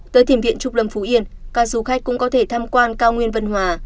tới thiền viện trúc lâm phú yên các du khách cũng có thể tham quan cao nguyên vân hòa